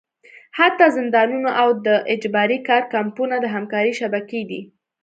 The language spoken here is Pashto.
حتی زندانونه او د اجباري کار کمپونه د همکارۍ شبکې دي.